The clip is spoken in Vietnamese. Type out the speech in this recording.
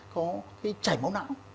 có cái chảy máu não